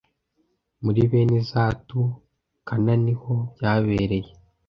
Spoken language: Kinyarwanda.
Muri bene Zatu kana niho byabereye